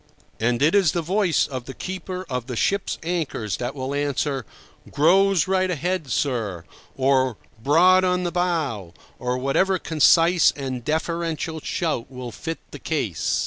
And it is the voice of the keeper of the ship's anchors that will answer: "Grows right ahead, sir," or "Broad on the bow," or whatever concise and deferential shout will fit the case.